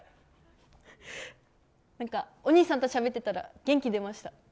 お兄さんとしゃべってたら元気出ました。